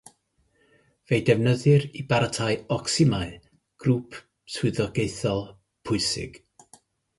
Fe'i defnyddir i baratoi ocsimau, grŵp swyddogaethol pwysig.